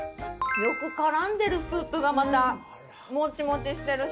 よく絡んでるスープがまたもちもちしてるし。